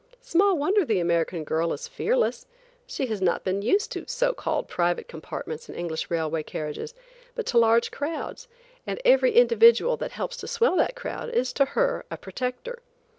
Small wonder the American girl is fearless. She has not been used to so called private compartments in English railway carriages, but to large crowds, and every individual that helps to swell that crowd is to her a protector.